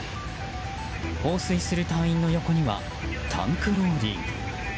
放水する隊員の横にはタンクローリー。